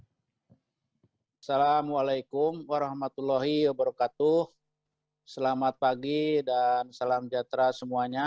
assalamualaikum warahmatullahi wabarakatuh selamat pagi dan salam sejahtera semuanya